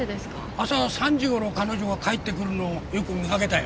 朝３時頃彼女が帰ってくるのをよく見かけたよ